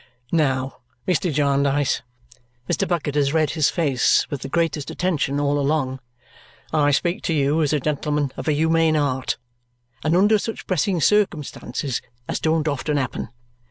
"Now, Mr. Jarndyce" Mr. Bucket has read his face with the greatest attention all along "I speak to you as a gentleman of a humane heart, and under such pressing circumstances as don't often happen.